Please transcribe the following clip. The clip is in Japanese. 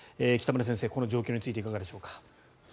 北村先生、この状況についていかがでしょうか。